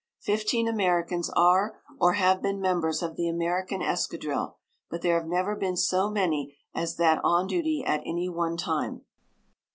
Fifteen Americans are or have been members of the American Escadrille, but there have never been so many as that on duty at any one time.